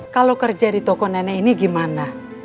kalau kerja di toko nenek ini gimana